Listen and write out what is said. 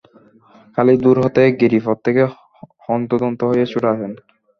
খালিদ ভোর হতেই গিরিপথ থেকে হন্তদন্ত হয়ে ছুটে আসেন।